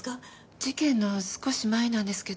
事件の少し前なんですけど。